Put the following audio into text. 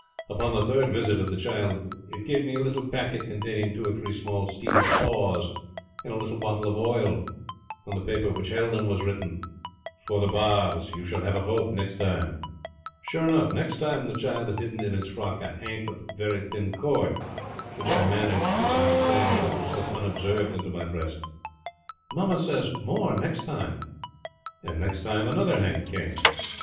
Upon the third visit of the child it gave me a little packet containing two or three small steel saws and a little bottle of oil. On the paper which held them was written, 'For the bars. You shall have a rope next time.' Sure enough next time the child had hidden in its frock a hank of very thin cord, which I managed as I was playing with her to slip unobserved into my breast. 'Mammy says more next time.' And next time another hank came.